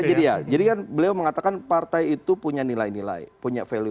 jadi kan beliau mengatakan partai itu punya nilai nilai punya value